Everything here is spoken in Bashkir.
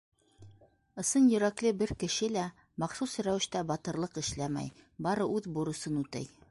Ысын йөрәкле бер кеше лә махсус рәүештә батырлыҡ эшләмәй, бары үҙ бурысын үтәй.